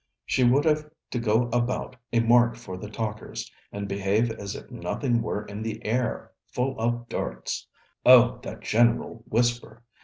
She would have to go about, a mark for the talkers, and behave as if nothing were in the air full of darts! Oh, that general whisper!